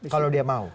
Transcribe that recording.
kalau dia mau